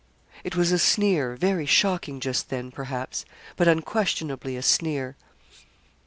It was a sneer, very shocking just then, perhaps; but unquestionably a sneer.